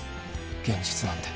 現実なんて